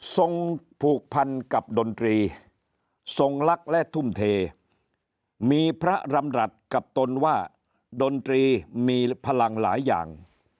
ส่งผูกพันกับดนตรีทรงรักและทุ่มเทมีพระรำรัฐกับตนว่าดนตรีมีพลังหลายอย่าง